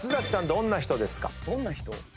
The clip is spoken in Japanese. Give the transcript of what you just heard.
どんな人ですか？